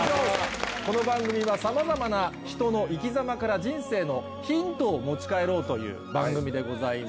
この番組はさまざまな人のいきざまから人生のヒントを持ち帰ろうという番組でございます。